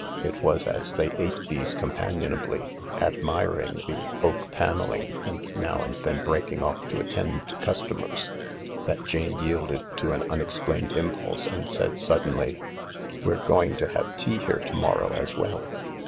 It was as they ate these companionably, admiring the oak panelling and now and then breaking off to attend to customers, that Jane yielded to an unexplained impulse, and said suddenly :" We're going to have tea here to morrow as well.